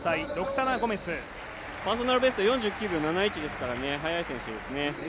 パーソナルベスト４９秒７１ですから速い選手ですね。